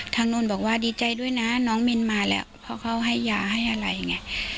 โน้นบอกว่าดีใจด้วยนะน้องมินมาแล้วเพราะเขาให้ยาให้อะไรไง